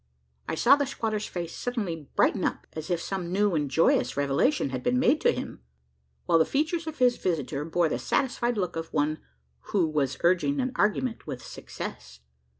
I saw the squatter's face suddenly brighten up as if some new and joyous revelation had been made to him; while the features of his visitor bore the satisfied look of one, who was urging an argument with success.